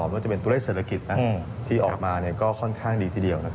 มีตัวเลขเศรษฐกิจที่ออกมาก็ค่อนข้างดีทีเดียว